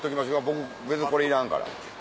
僕別にこれいらんから。